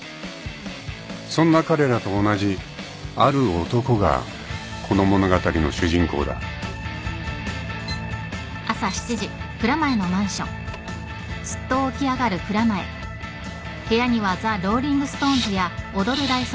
［そんな彼らと同じある男がこの物語の主人公だ］ん？